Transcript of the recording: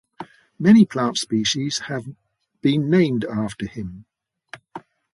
Many plant species have been named after him.